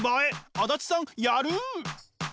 足立さんやる！